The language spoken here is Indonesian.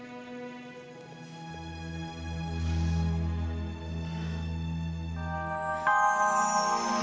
masih ya allah